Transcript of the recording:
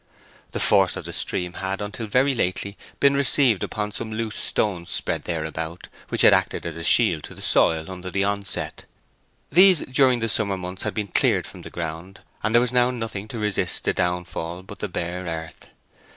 The force of the stream had, until very lately, been received upon some loose stones spread thereabout, which had acted as a shield to the soil under the onset. These during the summer had been cleared from the ground, and there was now nothing to resist the down fall but the bare earth.